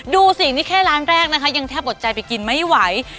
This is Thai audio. ดูสินี่แค่ร้านแรกนะคะยังแทบอดใจไปกินไม่ไหว